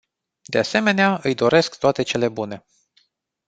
De asemenea, îi doresc toate cele bune.